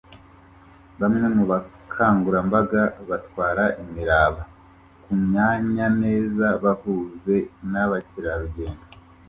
bamwe mubakangurambaga batwara imiraba kumyanyaneza bahuze nabakerarugendo